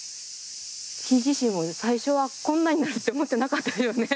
木自身も最初はこんなになるって思ってなかったよね